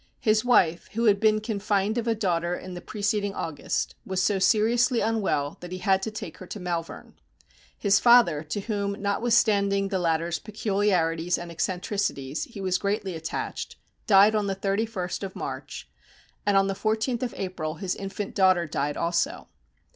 His wife, who had been confined of a daughter in the preceding August, was so seriously unwell that he had to take her to Malvern. His father, to whom, notwithstanding the latter's peculiarities and eccentricities, he was greatly attached, died on the 31st of March; and on the 14th of April his infant daughter died also.